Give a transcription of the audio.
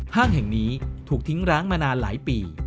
ห้างแห่งนี้ถูกทิ้งร้างมานานหลายปี